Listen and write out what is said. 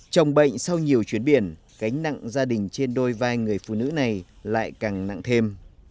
chồng bệnh sau nhiều chuyến biển cánh nặng gia đình trên đôi vai người phụ nữ này lại càng nặng thêm